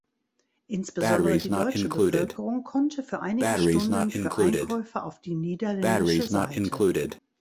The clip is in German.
Insbesondere die deutsche Bevölkerung konnte für einige Stunden für Einkäufe auf die niederländische Seite.